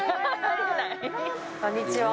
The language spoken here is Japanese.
こんにちは。